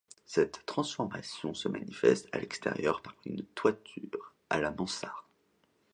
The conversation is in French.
Cette transformation se manifeste à l'extérieur par une toiture à la Mansart.